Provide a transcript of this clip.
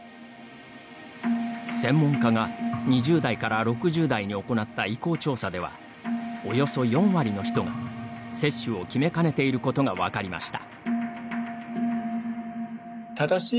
専門家が２０代から６０代に行った意向調査ではおよそ４割の人が接種を決めかねていることが分かりました。